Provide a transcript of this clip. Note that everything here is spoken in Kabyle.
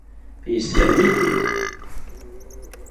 Yessefhem-it-id.